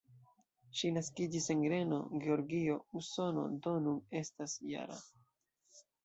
Ŝi naskiĝis en Reno, Georgio, Usono, do nun estas -jara.